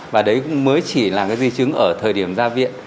và đấy cũng mới chỉ là cái di chứng ở thời điểm ra viện